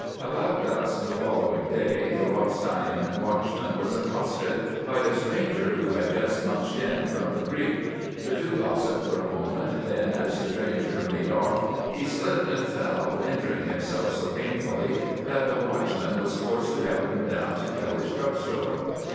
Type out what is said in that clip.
About dusk the following day the Rothstein watchman was accosted by a stranger who had just muched in from the creek. The two gossiped for a moment. Then, as the stranger made off, he slipped and fell, injuring himself so painfully that the watchman was forced to help him down to Kelly's drug store.